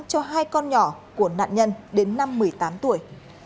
cho hai con nhỏ của nạn nhân đến năm một mươi tám tuổi